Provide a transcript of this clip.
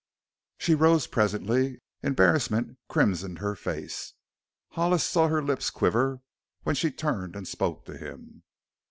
She rose presently, embarrassment crimsoning her face. Hollis saw her lips quiver when she turned and spoke to him.